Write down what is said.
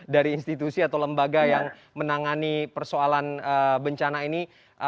dari institusi atau lembaga yang menangani persoalan bencana ini